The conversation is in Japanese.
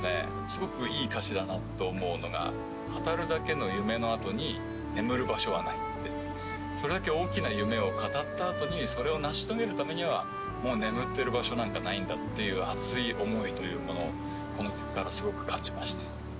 すごくいい歌詞だなと思うのがそれだけ大きな夢を語ったあとにそれを成し遂げるためにはもう眠ってる場所なんかないんだっていう熱い思いというものをこの曲からすごく感じました。